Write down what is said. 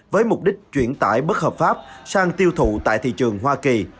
với mục đích chuyển tải bất hợp pháp sang tiêu thụ tại thị trường hoa kỳ